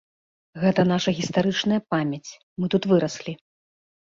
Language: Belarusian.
Гэта наша гістарычная памяць, мы тут выраслі.